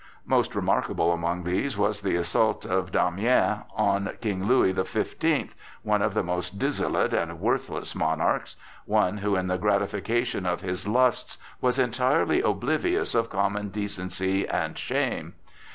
Most remarkable among these was the assault of Damiens on King Louis the Fifteenth, one of the most dissolute and worthless monarchs,—one who in the gratification of his lusts was utterly oblivious of common decency and shame.